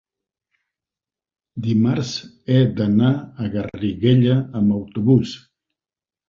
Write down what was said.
dimarts he d'anar a Garriguella amb autobús.